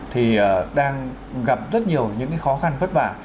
thì đang gặp rất nhiều những khó khăn vất vả